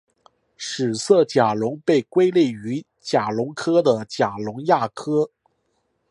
史色甲龙被归类于甲龙科的甲龙亚科。